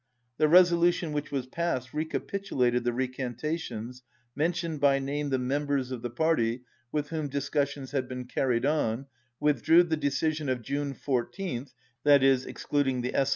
The resolution which was passed re capitulated the recantations, mentioned by name the members of the party with whom discussions had been carried on, withdrew the decision of June 14th (excluding the S.